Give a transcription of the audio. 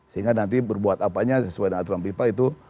sehingga nanti berbuat apanya sesuai dengan aturan fifa itu